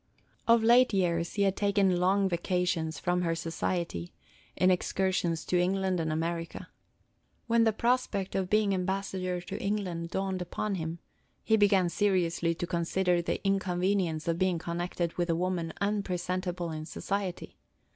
Of late years he had taken long vacations from her society, in excursions to England and America. When the prospect of being ambassador to England dawned upon him, he began seriously to consider the inconvenience of being connected with a woman unpresentable in society.